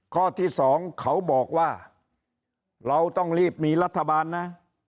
ข้อที่๒เขาบอกว่าเราต้องรีบมีรัฐบาลนะ